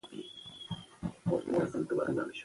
د خبرو دروازه باید خلاصه وي